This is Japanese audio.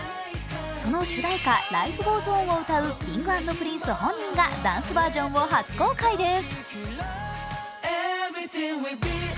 その主題歌「Ｌｉｆｅｇｏｅｓｏｎ」を歌うＫｉｎｇ＆Ｐｒｉｎｃｅ本人がダンスバージョンを初公開です。